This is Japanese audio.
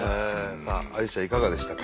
さあアリスちゃんいかがでしたか？